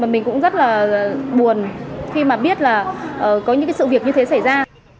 mình cũng rất là buồn khi mà biết là có những sự việc như thế xảy ra